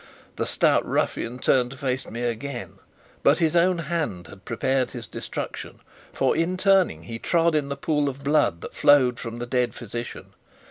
The stout ruffian turned to face me again. But his own hand had prepared his destruction: for in turning he trod in the pool of blood that flowed from the dead physician.